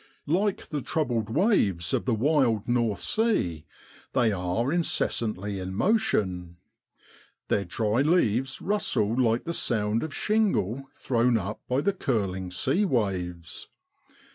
Like the troubled waves of the wild North Sea, they are incessantly in motion. Their dry leaves rustle like the sound of shingle thrown up by the curling sea waves.